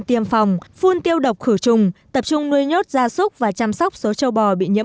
tiêm phòng phun tiêu độc khử trùng tập trung nuôi nhốt gia súc và chăm sóc số châu bò bị nhiễm